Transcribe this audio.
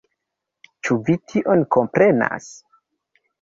Ĉu vi tion komprenas?